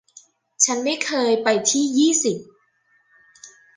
ฉันไม่เคยไปจากยี่สิบ